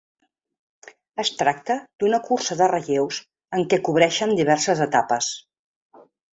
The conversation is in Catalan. Es tracta d’una cursa de relleus en què cobreixen diverses etapes.